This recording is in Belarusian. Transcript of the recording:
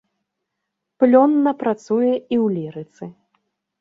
Плённа працуе і ў лірыцы.